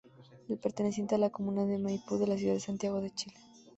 Es perteneciente a la comuna de Maipú de la ciudad de Santiago de Chile.